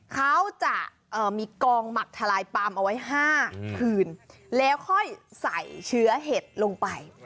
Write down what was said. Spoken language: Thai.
เขาจะมีกองหมักทลายปามเอาไว้๕คืนแล้วค่อยใส่เชื้อเห็ดลงไป